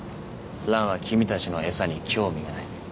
ランは君たちの餌に興味がない。